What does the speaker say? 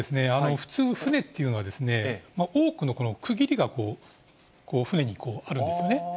普通、船っていうのは、多くの区切りが船にあるんですよね。